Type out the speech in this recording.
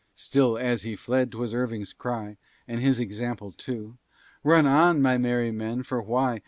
Still as he fled, 'twas Irving's cry, And his example too, "Run on, my merry men for why?